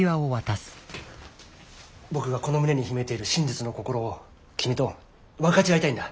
僕がこの胸に秘めている真実の心を君と分かち合いたいんだ。